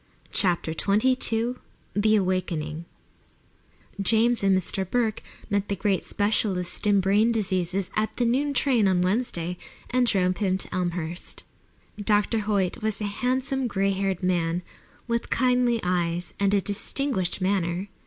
CHAPTER XXII THE AWAKENING James and Mr. Burke met the great specialist in brain diseases at the noon train on Wednesday and drove him to Elmhurst. Dr. Hoyt was a handsome, gray haired man, with kindly eyes and a distinguished manner.